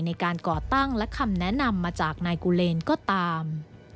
ก่อตั้งและคำแนะนำมาจากนายกูเลนก็ตาม